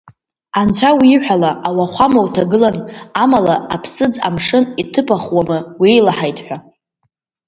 Анцәа уиҳәала ауахәама уҭагылан амала, аԥсыӡ амшын иҭыԥахуама уеилаҳаит ҳәа!